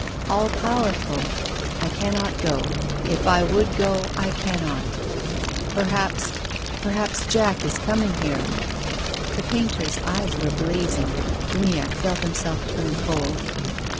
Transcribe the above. "All powerful. I cannot go. If I would go, I cannot. Perhaps — perhaps Jack is coming here." The painter's eyes were blazing. Uniacke felt himself turn cold.